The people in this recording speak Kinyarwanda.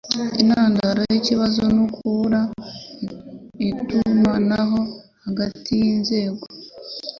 Intandaro yikibazo nukubura itumanaho hagati yinzego